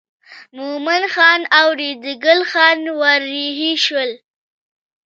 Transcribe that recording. مومن خان او ریډي ګل خان ور رهي شول.